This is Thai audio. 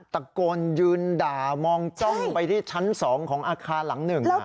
ตะโกนยืนด่ามองจ้องไปที่ชั้น๒ของอาคารหลังหนึ่ง